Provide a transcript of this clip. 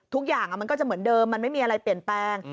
มันก็จะเหมือนเดิมมันไม่มีอะไรเปลี่ยนแปลง